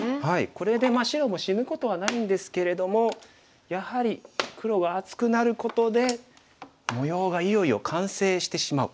これで白も死ぬことはないんですけれどもやはり黒は厚くなることで模様がいよいよ完成してしまう。